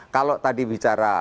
kalau tadi bicara